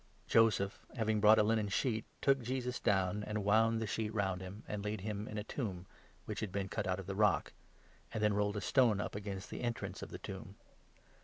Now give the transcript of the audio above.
Joseph, having bought a linen sheet, took Jesus 46 down, and wound the sheet round him, and laid him in a tomb which had been cut out of the rock ; and then rolled a stone up against the entrance of the tomb.